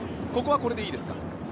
ここは、これでいいですか？